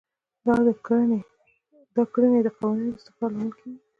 دا کړنې د قوانینو د استقرار لامل کیږي.